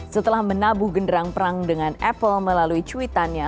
setelah menabuh genderang perang dengan apple melalui cuitannya